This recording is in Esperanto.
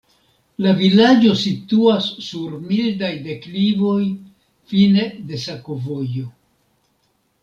La vilaĝo situas sur mildaj deklivoj, fine de sakovojo.